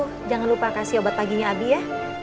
udah jam sepuluh jangan lupa kasih obat paginya abi ya